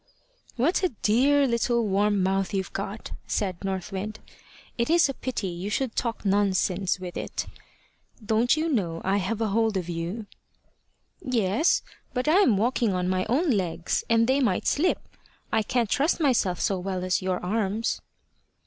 "What a dear little warm mouth you've got!" said North Wind. "It is a pity you should talk nonsense with it. Don't you know I have a hold of you?" "Yes; but I'm walking on my own legs, and they might slip. I can't trust myself so well as your arms."